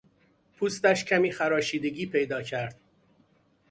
پوستش کمی خراشیدگی پیدا کرد.